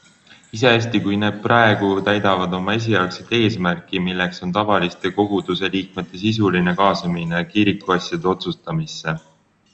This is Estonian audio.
Iseasi, kui hästi need praegu täidavad oma esialgset eesmärki, milleks oli tavaliste koguduseliikmete sisuline kaasamine kirikuasjade otsustamisse.